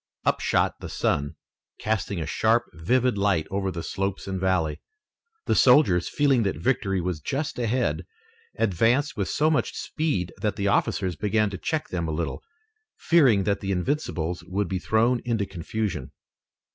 Up shot the sun, casting a sharp, vivid light over the slopes and valley. The soldiers, feeling that victory was just ahead, advanced with so much speed that the officers began to check them a little, fearing that the Invincibles would be thrown into confusion.